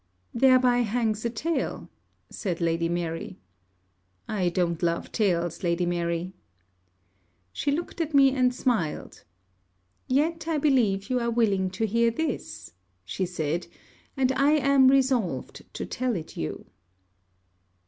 'Thereby hangs a tale,' said Lady Mary. 'I don't love tales, Lady Mary.' She looked at me, and smiled. 'Yet, I believe you are willing to hear this,' she said, 'and I am resolved to tell it you.'